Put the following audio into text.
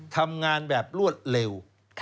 ทำงานแบบรวดเร็ว